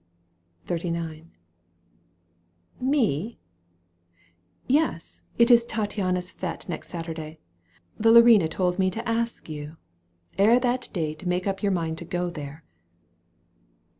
XXXIX. '.« Me ?"—" Yes ! It is Tattiana's fete Next Saturday. The Larina Told me to ask you. Ere that date Make up your mind to go there."